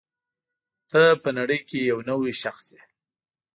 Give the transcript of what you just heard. ته په نړۍ کې یو نوی شخص یې.